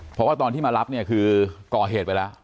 เพราะว่าตอนที่มารับเนี่ยคือก่อเหตุไปแล้ว